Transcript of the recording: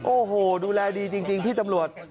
โอ้โหดูแลดีจริงพี่ตำรวจ